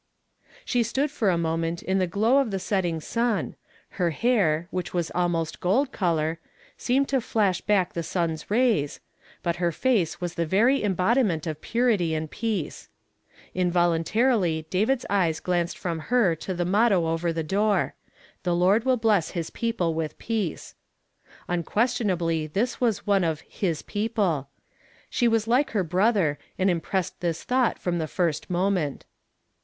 She stood for a moment in the glow of the set ting sun, lier Jiair, which was almost gold color, seemed to tlasli hack the sun's rays, but her face was the very end)odiment of purity and peace. Involuntaiily David's eyes glanced from her to the motto over the door: "The Lord will bless his people with peace." Unquestionably this was one of "his peoide;" she was like her brother, and impressed this thought from the first moment.